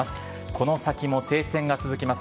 この先も晴天が続きます。